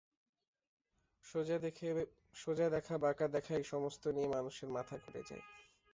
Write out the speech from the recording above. সোজা দেখা বাঁকা দেখা এই-সমস্ত নিয়ে মানুষের মাথা ঘুরে যায়।